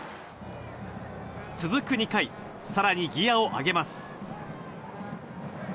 続く２回、さらにギアを上げます。